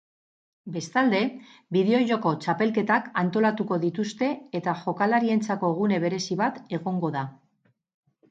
Bestalde, bideo-joko txapelketak antolatuko dituzte eta jokalarientzako gune berezi bat egongo da.